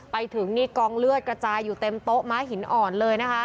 ไปถึงนี่กองเลือดกระจายอยู่เต็มโต๊ะม้าหินอ่อนเลยนะคะ